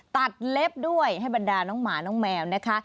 เล็บด้วยให้บรรดาน้องหมาน้องแมวนะคะ